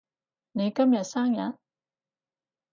你今日生日？